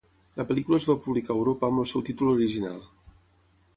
La pel·lícula es va publicar a Europa amb el seu títol original.